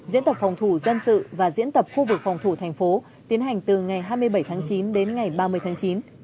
diễn tập phòng thủ dân sự và diễn tập khu vực phòng thủ thành phố tiến hành từ ngày hai mươi bảy tháng chín đến ngày ba mươi tháng chín